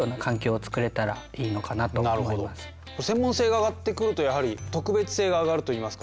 専門性が上がってくるとやはり特別性が上がるといいますか。